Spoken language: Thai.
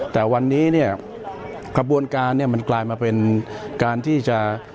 แต่วันนี้เนี่ยกระบวนการเนี่ยมันกลายมาเป็นการที่จะ